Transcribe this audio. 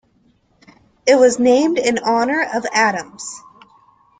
It was named in honor of Adams.